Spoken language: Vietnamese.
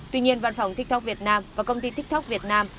tuy nhiên văn phòng tiktok việt nam và công ty tiktok việt nam